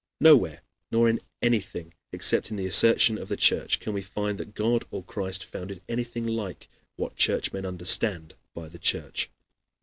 Nowhere nor in anything, except in the assertion of the Church, can we find that God or Christ founded anything like what Churchmen understand by the Church.